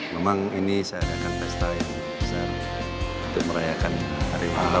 memang ini saya adakan pesta yang besar untuk merayakan hari ini